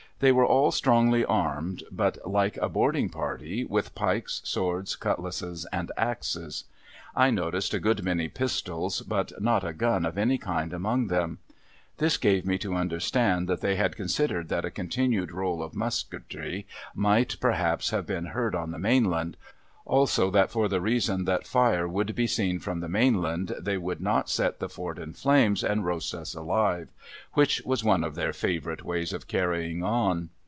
They were all strongly armed, but like a boarding party, with pikes, swords, cutlasses, and axes. I noticed a good many pistols, but not a gun of any kind among them. This gave me to understand that they had considered that a continued roll of musketry might perhaps have been heard on the mainland ; also, that for the reason that fire would be seen from the mainland they would not set the Fort in flames and roast us alive ; which was one of their favourite ways of carrying on.